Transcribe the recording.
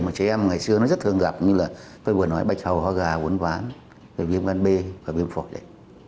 mà trẻ em ngày xưa nó rất thường gặp như là tôi vừa nói bạch hầu hoa gà uốn ván viêm gan b và viêm phổi